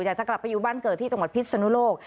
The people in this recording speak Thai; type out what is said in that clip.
อยากจะกลับไปอยู่บ้านเกิดที่จังหวัดพิษนุโลก